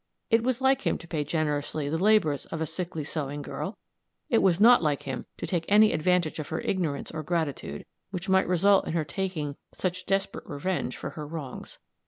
It was like him to pay generously the labors of a sickly sewing girl; it was not like him to take any advantage of her ignorance or gratitude, which might result in her taking such desperate revenge for her wrongs.